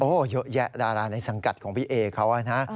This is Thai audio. เยอะแยะดาราในสังกัดของพี่เอเขานะ